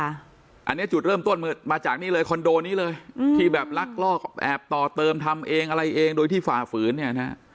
อันนี้จุดเริ่มต้นมาจากนี่เลยคอนโดนี้เลยที่แบบลักลอบแอบต่อเติมทำเองอะไรเองโดยที่ฝ่าฝืนเนี่ยนะฮะ